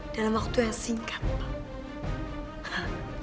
dalam waktu yang singkat